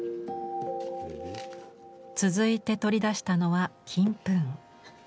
続いて取り出したのは金粉。